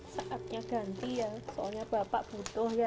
saatnya ganti ya soalnya bapak butuh ya